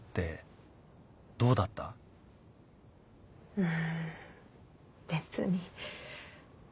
うん別に。